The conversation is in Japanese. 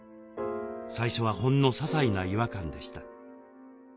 最初はほんのささいな違和感でした。